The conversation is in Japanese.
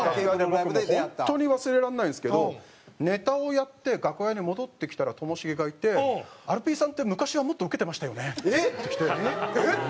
僕もう本当に忘れられないんですけどネタをやって楽屋に戻ってきたらともしげがいて「アルピーさんって昔はもっとウケてましたよね」って言ってきてえっ！